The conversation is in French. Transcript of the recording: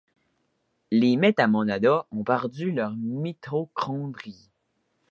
Les metamonada ont perdu leurs mitochondries.